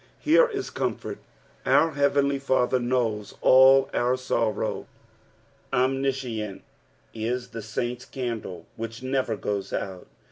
Here is comfort. Our heavenly Father knows all our sorrow. Omniscience is the Raint's candle which never goes oat.